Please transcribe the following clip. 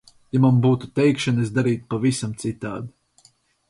Ja man būtu teikšana, es darītu pavisam citādi.